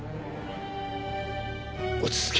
落ち着け。